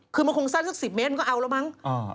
คือมันคงสั้นสัก๑๐เมตรมันก็เอาแล้วมั้ง